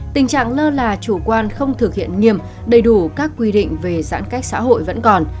tình trạng lơ là chủ quan không thực hiện nghiêm đầy đủ các quy định về giãn cách xã hội vẫn còn